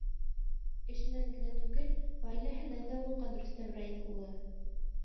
Эшенән генә түгел, ғаиләһенән дә уңған Рөстәм Раил улы.